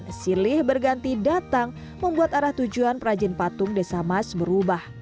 pembeli silih berganti datang membuat arah tujuan perajin patung desa mas berubah